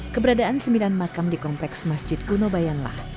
keberadaan sembilan makam di kompleks masjid kuno bayanlah